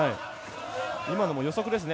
今のも予測ですね。